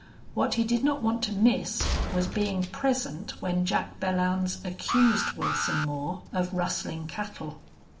What he did not want to miss was being present when Jack Belllounds accused Wilson Moore of rustling cattle.